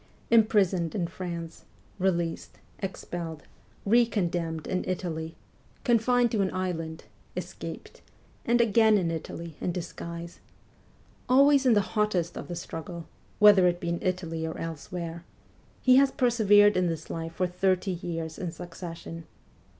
Imprisoned in France, released, expelled, re condemned in Italy, confined to an island, escaped, and again in Italy in disguise ; always in the hottest of the struggle, whether it be in Italy or elsewhere he has persevered in this life for thirty years in succession.